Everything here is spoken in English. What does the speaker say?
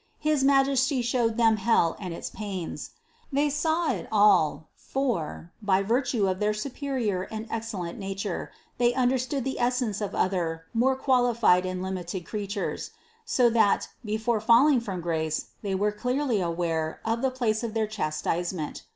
His Majesty showed them hell and its pains. They saw it all ; for, by virtue of their superior and excellent nature, they understood the essence of other more qualified and limited creatures; so that, before falling from grace, they were clearly aware of the place of their chastise ment.